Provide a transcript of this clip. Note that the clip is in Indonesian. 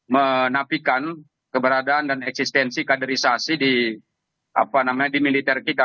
menapikan keberadaan dan eksistensi kaderisasi di militer kita